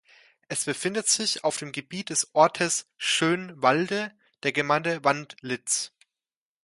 Es befindet sich auf dem Gebiet des Ortes Schönwalde der Gemeinde Wandlitz.